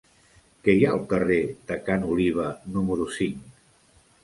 Què hi ha al carrer de Ca n'Oliva número cinc?